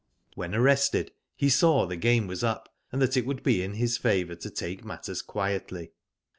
When arrested, he saw the game was up, and that it would be in his favour to take matters quietly.